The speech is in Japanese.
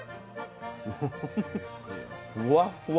ふわっふわ。